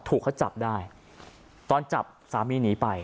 ถูกเขาจับได้ตอนจับสามีหนีไป